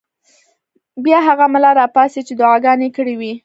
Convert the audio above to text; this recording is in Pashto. بیا هغه ملا راپاڅېد چې دعاګانې یې کړې وې.